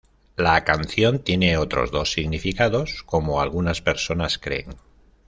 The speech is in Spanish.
La canción tiene otros dos significados, como algunas personas creen.